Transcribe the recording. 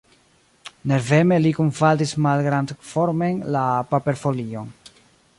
Nerveme li kunfaldis malgrandformen la paperfolion.